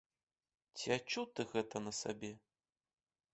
Ці адчуў ты гэта на сабе?